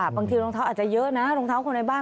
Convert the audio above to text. บางทีรองเท้าอาจจะเยอะนะรองเท้าคนในบ้าน